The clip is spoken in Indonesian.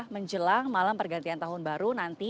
menjelang malam pergantian tahun baru nanti